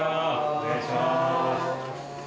お願いします。